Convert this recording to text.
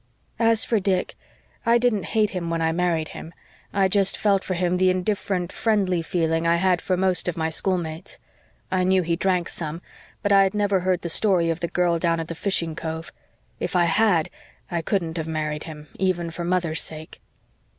As for Dick I didn't hate him when I married him I just felt for him the indifferent, friendly feeling I had for most of my schoolmates. I knew he drank some but I had never heard the story of the girl down at the fishing cove. If I had, I COULDN'T have married him, even for mother's sake.